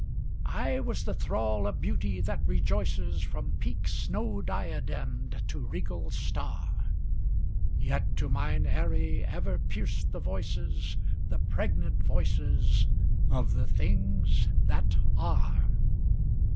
I was the thrall of Beauty that rejoices From peak snow diademed to regal star; Yet to mine aerie ever pierced the voices, The pregnant voices of the Things That Are.